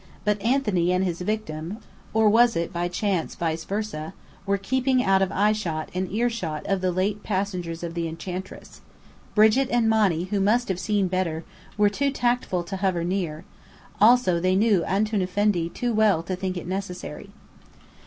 But Anthony and his victim (or was it by chance vice versa?) were keeping out of eyeshot and earshot of the late passengers of the Enchantress. Brigit and Monny, who must have seen Bedr, were too tactful to hover near: also they knew "Antoun Effendi" too well to think it necessary.